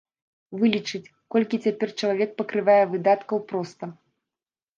Вылічыць, колькі цяпер чалавек пакрывае выдаткаў проста.